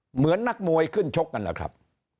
เหมือนนักมวยขึ้นชกกันนะครับ